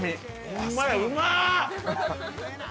◆ほんまや、うまあ！